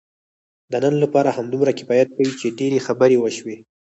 د نن لپاره همدومره کفایت کوي، چې ډېرې خبرې وشوې.